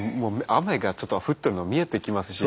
雨がちょっと降ってるの見えてきますし。